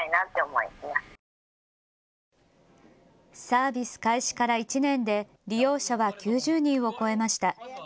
サービス開始から１年で利用者は９０人を超えました。